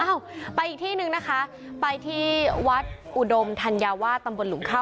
เอ้าไปอีกที่หนึ่งนะคะไปที่วัดอุดมธัญวาสตำบลหลุมข้าว